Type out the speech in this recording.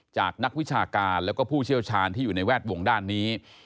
จากนักวิชาการแล้วก็ผู้เชี่ยวชาญที่อยู่ในแวดวงด้านนี้